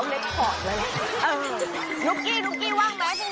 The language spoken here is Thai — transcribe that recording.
นุ๊กกี้ว่างแหม้ทั้งเนื้อ